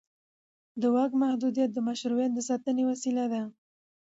د واک محدودیت د مشروعیت د ساتنې وسیله ده